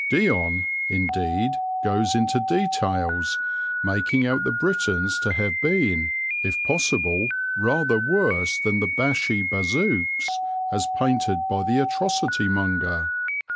Dion, indeed, goes into details, making out the Britons to have been, if possible, rather worse than Bashi Bazouks, as painted by the atrocity monger.